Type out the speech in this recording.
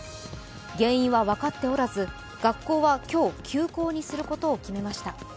原因は分かっておらず、学校は今日、休校にすることを決めました。